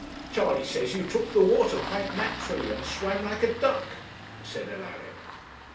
'Charley says you took to the water quite naturally, and swam like a duck,' said Alaric.